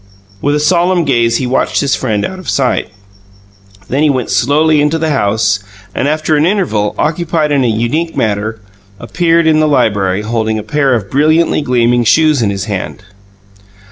With a solemn gaze he watched his friend out of sight. Then he went slowly into the house, and after an interval occupied in a unique manner, appeared in the library, holding a pair of brilliantly gleaming shoes in his hand.